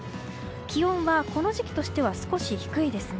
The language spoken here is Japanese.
気温はこの時期としては少し低いですね。